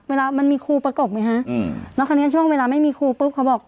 เวลามันมีครูประกบไงฮะอืมแล้วคราวนี้ช่วงเวลาไม่มีครูปุ๊บเขาบอก